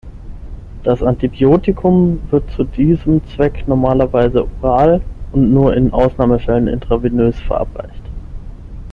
Das Antibiotikum wird zu diesem Zweck normalerweise oral und nur in Ausnahmefällen intravenös verabreicht.